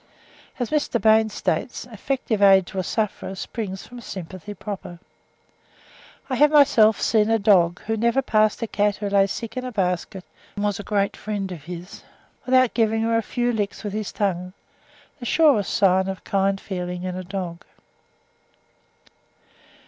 (14. As Mr. Bain states, "effective aid to a sufferer springs from sympathy proper:" 'Mental and Moral Science,' 1868, p. 245.) I have myself seen a dog, who never passed a cat who lay sick in a basket, and was a great friend of his, without giving her a few licks with his tongue, the surest sign of kind feeling in a dog.